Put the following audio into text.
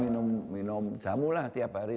oh saya minum jamu lah setiap hari